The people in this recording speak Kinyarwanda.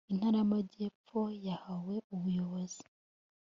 intara y amajyepfo yahawe ubuyobozi